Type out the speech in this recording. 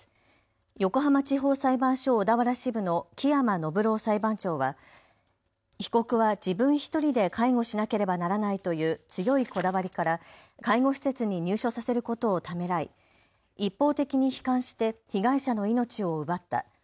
横浜地方裁判所小田原支部の木山暢郎裁判長は被告は自分１人で介護しなければならないという強いこだわりから介護施設に入所させることをためらい一方的に悲観して被害者の命を奪った。